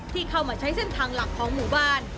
ที่เข้ามาใช้เส้นทางหลักของหมู่บ้าน